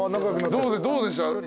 どうでした？